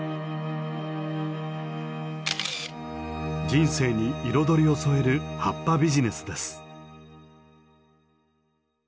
人生に彩りを添える葉っぱビジネスです。